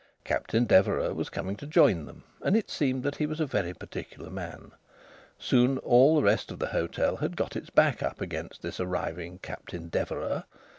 Captain Deverax was coming to join them, and it seemed that he was a very particular man. Soon all the rest of the hotel had got its back up against this arriving Captain Deverax.